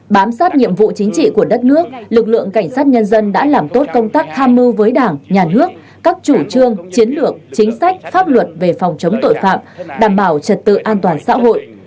bám sát nhiệm vụ chính trị của đất nước lực lượng cảnh sát nhân dân đã làm tốt công tác tham mưu với đảng nhà nước các chủ trương chiến lược chính sách pháp luật về phòng chống tội phạm đảm bảo trật tự an toàn xã hội